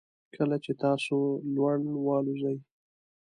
کله چې تاسو لوړ والوځئ